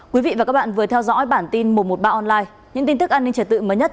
quý vị và các bạn vừa theo dõi bản tin một trăm một mươi ba online những tin tức an ninh trật tự mới nhất